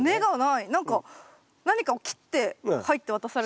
何か何かを切って「はい」って渡されたような。